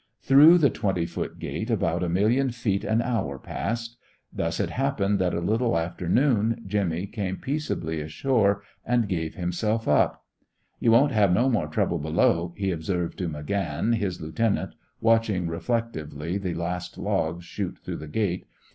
Through the twenty foot gate about a million feet an hour passed. Thus it happened that a little after noon Jimmy came peaceably ashore and gave himself up. "You won't have no more trouble below," he observed to McGann, his lieutenant, watching reflectively the last logs shoot through the gate.